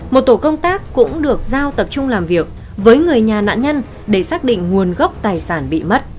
một tổ công tác cũng được giao tập trung làm việc với người nhà nạn nhân để xác định nguồn gốc tài sản bị mất